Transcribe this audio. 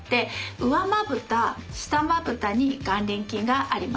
上まぶた下まぶたに眼輪筋があります。